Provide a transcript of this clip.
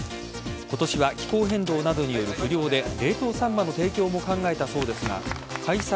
今年は気候変動などによる不漁で冷凍サンマの提供も考えたそうですが開催